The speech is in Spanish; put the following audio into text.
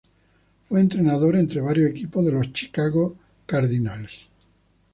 Fue entrenador entre varios equipos de los Chicago Cardinals.